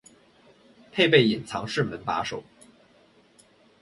配备隐藏式门把手